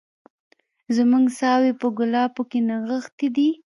زموږ ساوي په ګلابو کي نغښتي دي